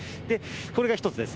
これが１つです。